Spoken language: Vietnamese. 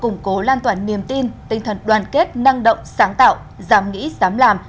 hội nghị đã củng cố lan toàn niềm tin tinh thần đoàn kết năng động sáng tạo dám nghĩ dám làm